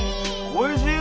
おいしい！